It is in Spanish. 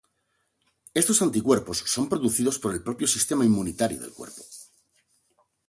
Estos anticuerpos son producidos por el propio sistema inmunitario del cuerpo.